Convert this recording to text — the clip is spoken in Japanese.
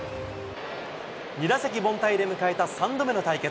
２打席凡退で迎えた３度目の対決。